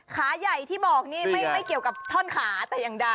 ขาใหญ่ที่บอกนี่ไม่เกี่ยวกับท่อนขาแต่อย่างใด